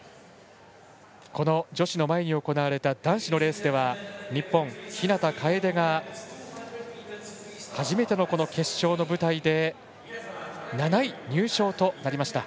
この女子の前に行われた男子のレースでは日本、日向楓が初めての決勝の舞台で７位入賞となりました。